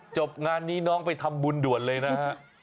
จบงานนี้น้องไปทำบุญด่วนเลยนะฮะ